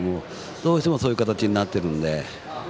どうしてもそういう形になっているので。